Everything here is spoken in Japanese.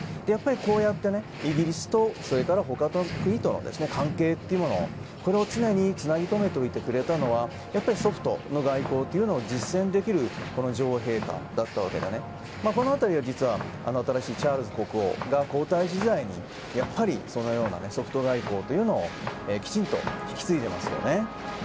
こうやってイギリスと他の国との関係というものを常につなぎとめておいてくれたのはやはりソフトの外交というのを実践できるこの女王陛下だったわけでこの辺りが新しいチャールズ国王が皇太子時代にそのようなソフト外交というのをきちんと引き継いでいますよね。